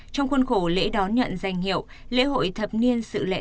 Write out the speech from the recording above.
trong khuôn khổ lễ đón nhận danh hiệu lễ hội thập niên sự lễ